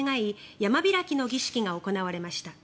山開きの儀式が行われました。